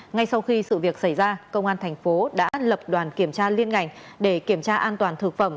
ngay sau khi sự việc xảy ra công an thành phố đã lập đoàn kiểm tra liên ngành để kiểm tra an toàn thực phẩm